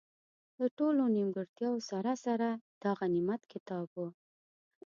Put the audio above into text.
له ټولو نیمګړتیاوو سره سره، دا غنیمت کتاب وو.